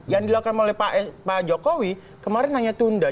yang dilakukan oleh pak jokowi kemarin hanya tunda